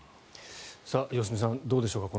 良純さんどうでしょうか。